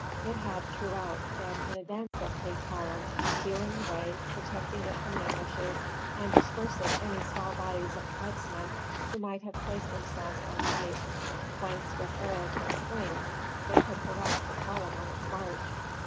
It had throughout been in advance of the column, feeling the way, protecting it from ambushes, and dispersing any small bodies of tribesmen who might have placed themselves on heights, whence with arrows and slings they could harass the column on its march.